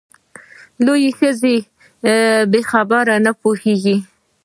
لویه ښځه یې په خبره نه پوهېږې !